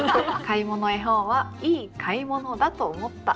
「買物絵本はいい買物だと思った」。